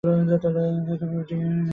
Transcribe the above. সেই গর্জন ঠিক কুকুরের গর্জনও নয়।